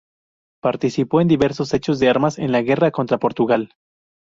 Participó en diversos hechos de armas en la guerra contra Portugal.